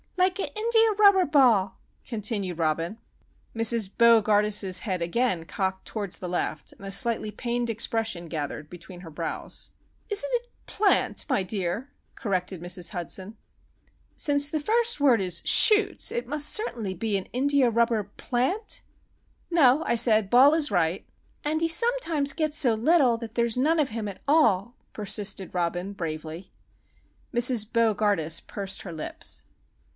"—like an india rubber ball," continued Robin. Mrs. Bo gardus's head again cocked towards the left, and a slightly pained expression gathered between her brows. "Isn't it plant, my dear?" corrected Mrs. Hudson. "Since the first word is shoots it certainly must be an india rubber plant?" "No," I said, "ball is right." "And he sometimes gets so little that there's none of him at all," persisted Robin, bravely. Mrs. Bo gardus pursed her lips.